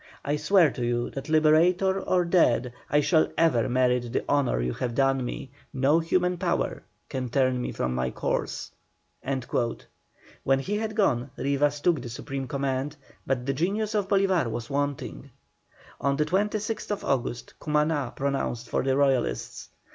I swear to you that Liberator or dead, I shall ever merit the honour you have done me; no human power can turn me from my course." When he had gone, Rivas took the supreme command, but the genius of Bolívar was wanting. On the 26th August Cumaná pronounced for the Royalists.